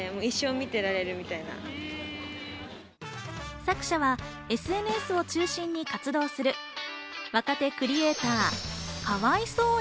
作者はＳＮＳを中心に活動する若手クリエイター・可哀想に！